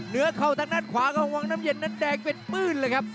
เข้าทางด้านขวาของวังน้ำเย็นนั้นแดงเป็นปื้นเลยครับ